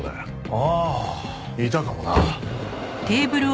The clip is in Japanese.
ああいたかもな。